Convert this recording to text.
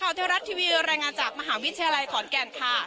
เทวรัฐทีวีรายงานจากมหาวิทยาลัยขอนแก่นค่ะ